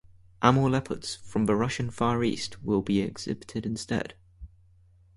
Amur leopards, from the Russia Far East, will be exhibited instead.